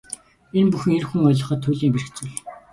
Энэ бүхэн эр хүн ойлгоход туйлын бэрх зүйл.